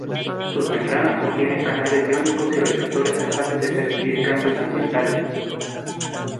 Sus membranas contienen canales iónicos y receptores capaces de percibir cambios ambientales.